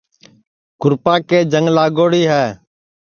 کُرپا کے جنگ لاگوڑی ہے